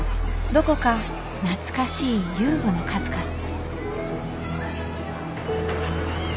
どこか懐かしい遊具の数々。